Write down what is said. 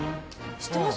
知ってます？